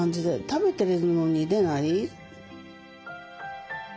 食べてるのに出ない。